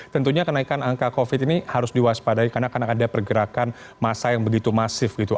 tentunya kenaikan angka covid ini harus diwaspadai karena akan ada pergerakan masa yang begitu masif gitu